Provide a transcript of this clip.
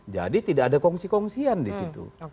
jadi tidak ada kongsi kongsian disitu